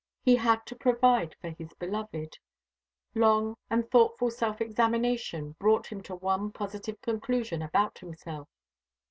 He had to provide for his beloved. Long and thoughtful self examination brought him to one positive conclusion about himself.